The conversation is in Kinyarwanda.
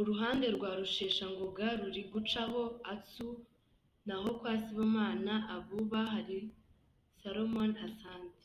Uruhande rwa Rusheshangoga ruri gucaho Atsu naho kwa Sibomana Abuba hari Salomon Asante.